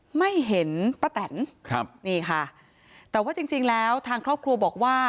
ไม่เห็นป้าแตนครับนี่ค่ะแต่ว่าจริงจริงแล้วทางครอบครัวบอกว่า